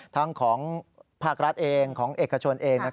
ทั้งของภาครัฐเองของเอกชนเอง